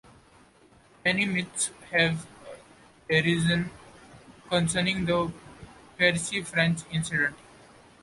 Many myths have arisen concerning the Percy French incident.